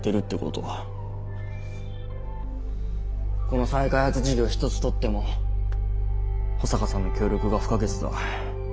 この再開発事業一つとっても保坂さんの協力が不可欠だ。